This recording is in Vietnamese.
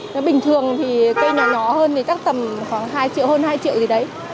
nếu bình thường thì cây nhỏ nhỏ hơn thì chắc tầm khoảng hai triệu hơn hai triệu gì đấy